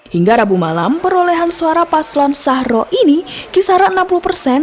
hingga rabu malam perolehan suara paslon sahro ini kisaran enam puluh persen